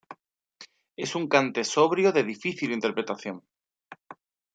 Es un Cante sobrio de difícil interpretación.